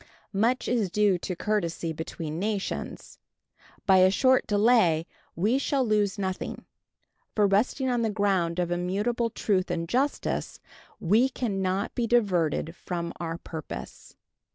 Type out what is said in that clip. Much is due to courtesy between nations. By a short delay we shall lose nothing, for, resting on the ground of immutable truth and justice, we can not be diverted from our purpose.